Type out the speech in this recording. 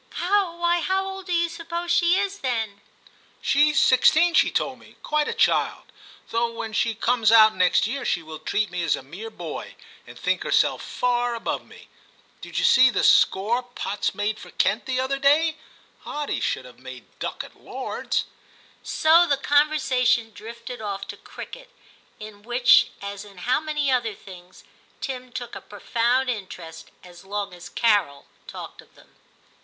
*Why, how old do you suppose she is, then ?'* She's sixteen, she told me — quite a child ; though when she comes out next year she will treat me as a mere boy, and think herself far above me. Did you see the score Potts made for Kent the other day } Odd he should have made duck at Lords.' So the conversation drifted off to cricket, in which, as in how many other things, Tim took a profound interest as long as Carol talked of them.